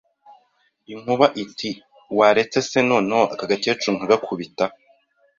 Inkuba iti Waretse se noneho aka gakecuru nkagakubita